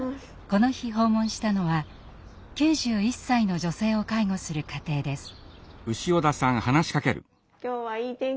この日訪問したのは９１歳の女性を介護する家庭です。